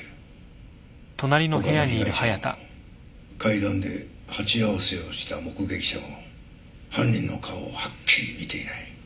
他の被害者も階段で鉢合わせをした目撃者も犯人の顔をはっきり見ていない。